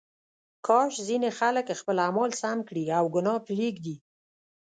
کاش ځینې خلک خپل اعمال سم کړي او ګناه پرېږدي.